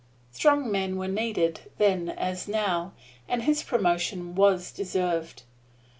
Strong men were needed then as now, and his promotion was deserved.